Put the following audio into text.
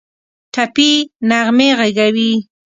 ټپي نغمې ږغوي